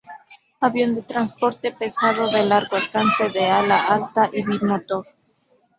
Avión de transporte pesado de largo alcance, de ala alta y bimotor.